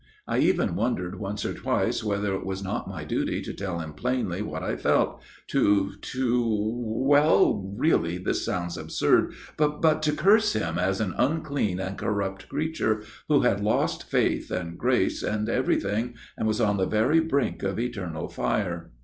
I even wondered once or twice whether it was not my duty to tell him plainly what I felt, to to (well really this sounds absurd) but to curse him as an unclean and corrupt creature who had lost faith and grace and everything, and was on the very brink of eternal fire."